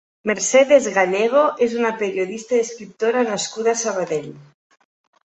Mercedes Gallego és una periodista i escriptora nascuda a Sabadell.